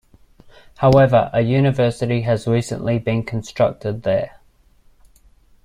However, a university has recently been constructed there.